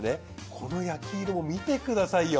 この焼き色を見てくださいよ。